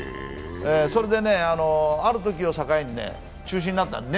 それでね、あるときを境に中止になったんです。